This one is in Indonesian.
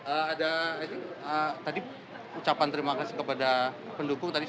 ada tadi ucapan terima kasih kepada pendukung tadi